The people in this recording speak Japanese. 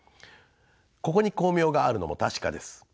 ここに光明があるのも確かです。